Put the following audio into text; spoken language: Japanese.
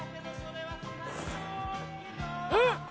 うん！